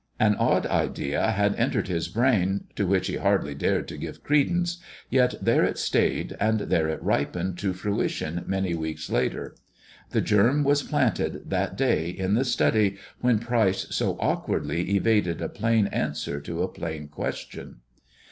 An odd idea had entered his brain, to which he hardly dared to give credence, yet there it stayed, and there it ripened to fruition many weeks later. The germ was planted that day in the study, when Pryce so awkwardly evaded a plain answer to a plain question.